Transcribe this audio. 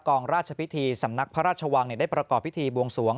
ราชพิธีสำนักพระราชวังได้ประกอบพิธีบวงสวง